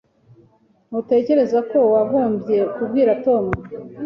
Ntutekereza ko wagombye kubwira Tom?